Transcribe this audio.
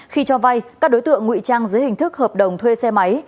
khi cho vay các đối tượng ngụy trang dưới hình thức hợp đồng thuê xe máy